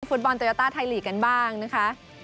และฟุตบอลต้อยาตาไทยลีกกันบ้างนะครับ